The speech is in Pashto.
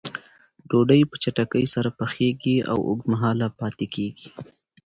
ډوډۍ په چټکۍ سره پخیږي او اوږد مهاله پاتې کېږي.